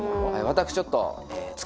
私ちょっと。